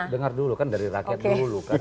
dengar dulu kan dari rakyat dulu kan